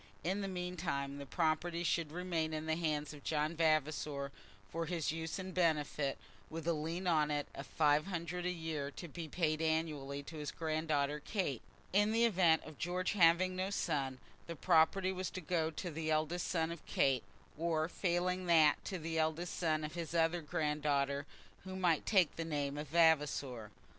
In the meantime the property should remain in the hands of John Vavasor for his use and benefit, with a lien on it of five hundred a year to be paid annually to his granddaughter Kate. In the event of George having no son, the property was to go to the eldest son of Kate, or failing that to the eldest son of his other granddaughter who might take the name of Vavasor.